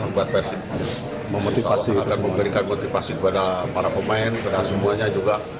mudah mudahan persif mengerikan motivasi kepada para pemain kepada semuanya juga